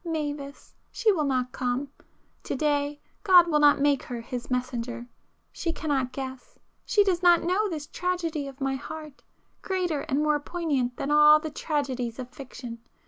Mavis! She will not come,—to day God will not make her His messenger. She cannot guess—she does not know this tragedy of my heart, greater and more poignant than all the tragedies of fiction.